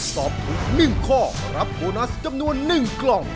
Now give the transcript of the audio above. ตอบถูก๑ข้อรับโบนัสจำนวน๑กล่อง